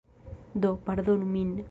Do, pardonu min.